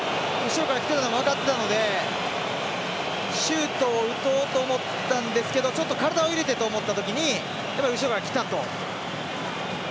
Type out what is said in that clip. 後ろからきてたのも分かってたのでシュートを打とうと思ったんですけどちょっと体を入れてと思ったときにやっぱり後ろからきたと。